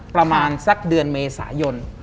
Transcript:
ประมาณสักเดือนเมษายน